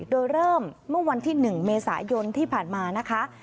โดยเริ่มเมื่อวันที่๑เมษายนที่ผ่านมานะคะ